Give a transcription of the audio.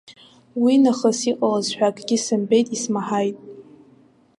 Уи нахыс иҟалаз ҳәа акгьы сымбеит, исмаҳаит.